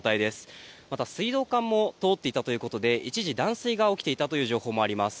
また水道管も通っていたということで一時、断水が起きていたという情報もあります。